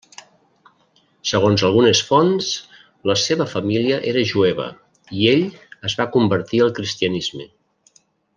Segons algunes fonts, la seva família era jueva i ell es va convertir al cristianisme.